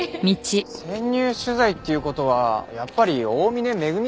潜入取材っていう事はやっぱり大峰恵関連ですかね？